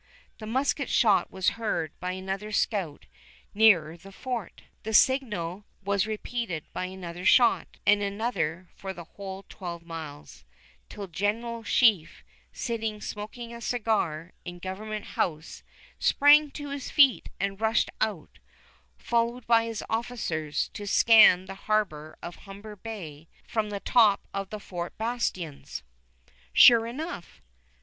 The musket shot was heard by another scout nearer the fort. The signal was repeated by another shot, and another for the whole twelve miles, till General Sheaffe, sitting smoking a cigar in Government House, sprang to his feet and rushed out, followed by his officers, to scan the harbor of Humber Bay from the tops of the fort bastions. Sure enough!